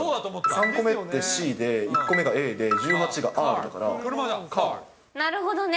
３個目ってＣで、１個目がＡで１８がＲだから、なるほどね。